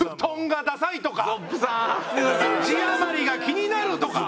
「字余りが気になる」とか。